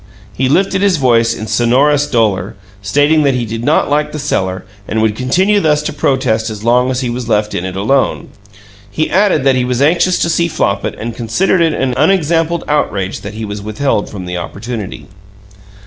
He lifted his voice in sonorous dolor, stating that he did not like the cellar and would continue thus to protest as long as he was left in it alone. He added that he was anxious to see Flopit and considered it an unexampled outrage that he was withheld from the opportunity.